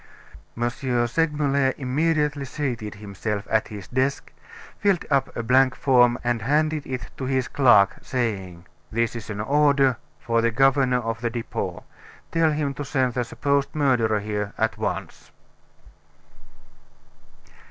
M. Segmuller immediately seated himself at his desk, filled up a blank form and handed it to his clerk, saying: "This is an order for the governor of the Depot. Tell him to send the supposed murderer here at once."